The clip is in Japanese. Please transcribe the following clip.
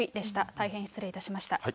大変失礼いたしました。